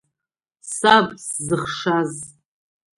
Саб сзыхшаз…